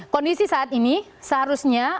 kondisi saat ini seharusnya